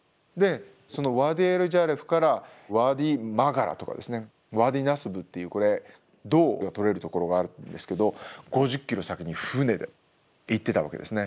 そのワディ・エル＝ジャラフからワディ・マガラとかですねワディ・ナスブっていうこれ銅が採れるところがあるんですけど５０ｋｍ先に船で行ってたわけですね。